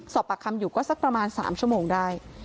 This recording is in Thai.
สอบปากคำอยู่ก็สักประมาณ๓ชั่วโมงได้